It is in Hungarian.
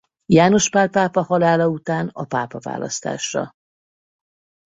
János Pál pápa halála után a pápaválasztásra.